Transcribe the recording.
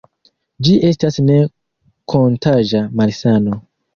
Ĝi estas ne-kontaĝa malsano.